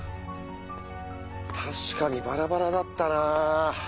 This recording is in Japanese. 確かにバラバラだったなあ。